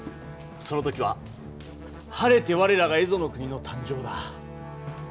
その時は晴れて我らが蝦夷の国の誕生だ。